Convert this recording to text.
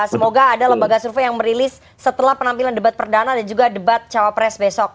semoga ada lembaga survei yang merilis setelah penampilan debat perdana dan juga debat cawapres besok